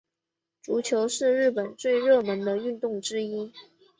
足球是日本最热门的运动之一。